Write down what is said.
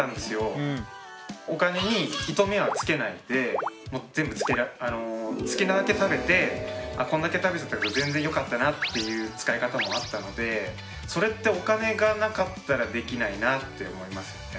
お金に糸目はつけないでもう好きなだけ食べてこんだけ食べちゃったけど全然よかったなっていう使い方もあったのでそれってお金がなかったらできないなって思いますよね。